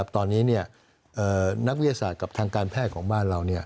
ตอนนี้นักวิทยาศาสตร์กับทางการแพทย์ของบ้านเรา